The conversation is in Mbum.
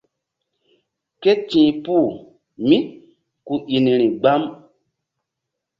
Ké ti̧h puh mí ku i niri gbam.